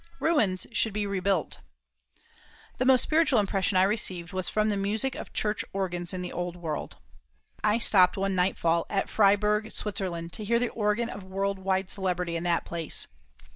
Ruins should be rebuilt. The most spiritual impression I received was from the music of church organs in the old world. I stopped one nightfall at Freyburg, Switzerland, to hear the organ of world wide celebrity in that place.